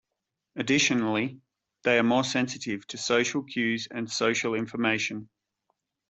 Additionally, they are more sensitive to social cues and social information.